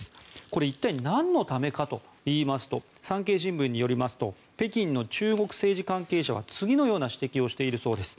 これは一体何のためかといいますと産経新聞によりますと北京の中国政治関係者は次のような指摘をしているようです。